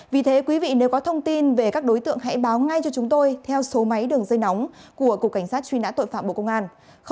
vì thế quý vị nếu có thông tin về các đối tượng hãy báo ngay cho chúng tôi theo số máy đường dây nóng của cục cảnh sát truy nã tội phạm bộ công an